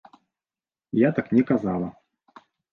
Я так не казала.